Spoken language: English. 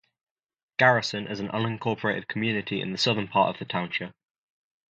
Garrison is an unincorporated community in the southern part of the township.